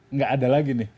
nggak ada lagi nih